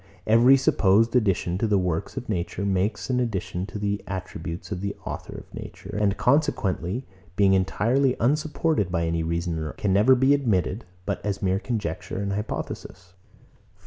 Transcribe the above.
Every supposed addition to the works of nature makes an addition to the attributes of the Author of nature; and consequently, being entirely unsupported by any reason or argument, can never be admitted but as mere conjecture and hypothesis.